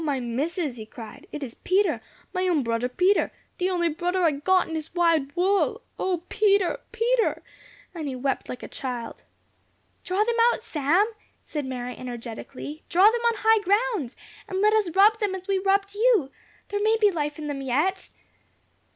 "O my Missus," he cried, "it is Peter! my own brudder Peter! De only brudder I got in dis wide wull. O Peter Peter!" and he wept like a child. "Draw them out, Sam," said Mary, energetically; "draw them on high ground, and let us rub them as we rubbed you. There may be life in them yet."